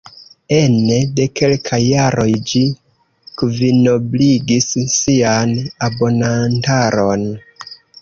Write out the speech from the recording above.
Ene de kelkaj jaroj ĝi kvinobligis sian abonantaron.